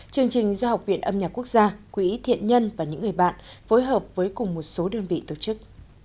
chương trình do học viện âm nhạc quốc gia quỹ thiện nhân và những người bạn phối hợp với cùng một số đơn vị tổ chức